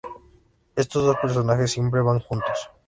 Estos dos personajes siempre van juntos.